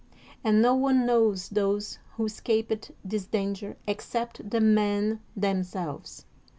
And no one knows those who escaped this danger except the men themselves.